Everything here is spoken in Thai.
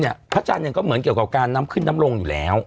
พระจันทร์เนี่ยก็เหมือนเกี่ยวกับการนำขึ้นน้ำลงอยู่แล้ว